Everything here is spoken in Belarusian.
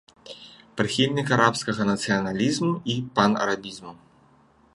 Прыхільнік арабскага нацыяналізму і панарабізму.